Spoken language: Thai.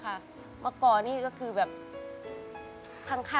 คุณหมอบอกว่าเอาไปพักฟื้นที่บ้านได้แล้ว